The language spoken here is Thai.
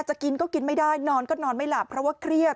จะกินก็กินไม่ได้นอนก็นอนไม่หลับเพราะว่าเครียด